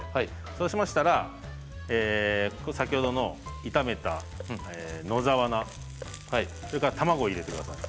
そうしましたら先ほどの炒めた野沢菜卵を入れてください。